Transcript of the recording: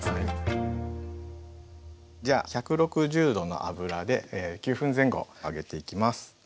１６０℃の油で９分前後揚げていきます。